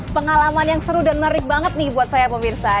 pengalaman yang seru dan menarik banget nih buat saya pemirsa